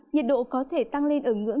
nhiệt độ có thể tăng lên ở ngưỡng